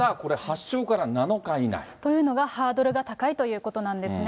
というのが、ハードルが高いということなんですね。